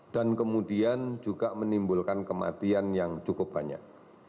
dan kemudian juga menimbulkan kematian yang cukup banyak